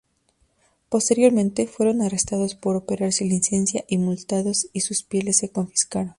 Posteriormente, fueron arrestados por operar sin licencia y multados y sus pieles se confiscaron.